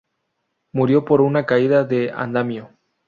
Murió por una caída de andamio.